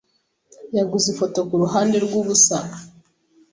Yaguze ifoto kuruhande rwubusa.